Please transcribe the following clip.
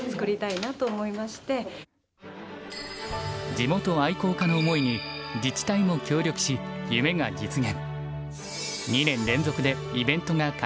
地元愛好家の思いに自治体も協力し夢が実現。